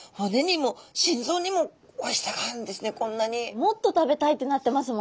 もっと食べたいってなってますもん。